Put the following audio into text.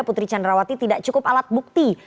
putri candrawati tidak cukup alat bukti